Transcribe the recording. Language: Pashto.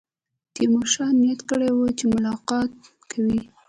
تیمورشاه نیت کړی وو چې ملاقات کوي.